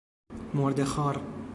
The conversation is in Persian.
مرده خوار